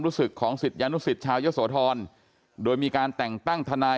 รู้สึกของสิทธิ์ยานุศิษย์ชาวยศทรโดยมีการแต่งตั้งทนาย